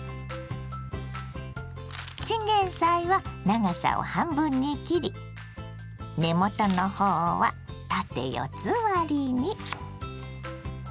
チンゲンサイは長さを半分に切り根元の方は縦四つ割りに。